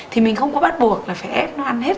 thì mình không có bắt buộc là phải ép nó ăn hết